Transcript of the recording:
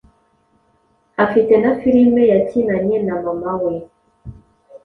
afite na filime yakinanye na mama we